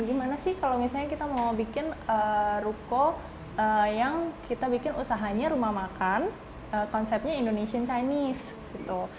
gimana sih kalau misalnya kita mau bikin ruko yang kita bikin usahanya rumah makan konsepnya indonesian chinese gitu